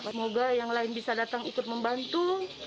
semoga yang lain bisa datang ikut membantu